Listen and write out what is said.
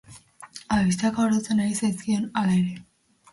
Abestiak agortzen ari zitzaizkion hala ere.